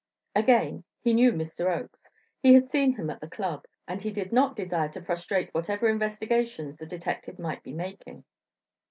Again, he knew Mr. Oakes. He had seen him at the Club, and he did not desire to frustrate whatever investigations the detective might be making.